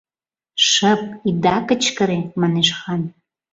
— Шып, ида кычкыре! — манеш хан.